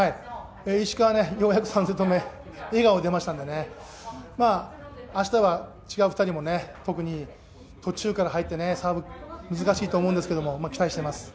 石川、ようやく３セット目笑顔が出ましたので明日は、違う２人も特に途中から入ってサーブ、難しいと思いますけど期待してます。